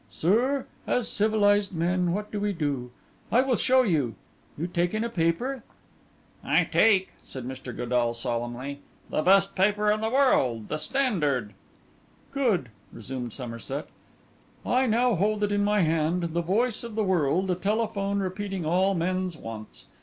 Sir, as civilised men, what do we do? I will show you. You take in a paper?' 'I take,' said Mr. Godall solemnly, 'the best paper in the world, the Standard.' 'Good,' resumed Somerset. 'I now hold it in my hand, the voice of the world, a telephone repeating all men's wants.